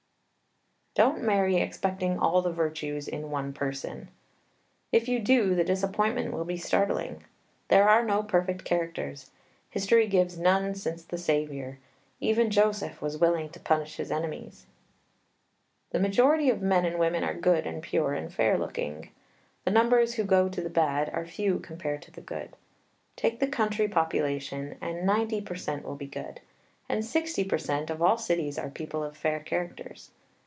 Don't marry expecting all the virtues in one person. If you do, the disappointment will be startling. There are no perfect characters. History gives none since the Saviour. Even Joseph was willing to punish his enemies. The majority of men and women are good and pure and fair looking. The numbers who go to the bad are few compared to the good. Take the country population, and ninety per cent will be good; and sixty per cent of all cities are people of fair characters.